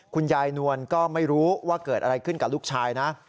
คุณยายนวลก็ไม่รู้ว่าเกิดอะไรขึ้นกับลูกชายนะ